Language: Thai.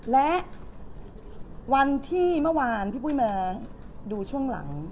และวันที่เมื่อวานพี่ปุ้ยมาดูช่วงหลัง